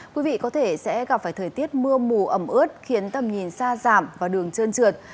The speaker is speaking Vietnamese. quý vị có thể sẽ gặp phải thời tiết mưa mù ẩm ướt khiến tầm nhìn xa giảm và đường trơn trượt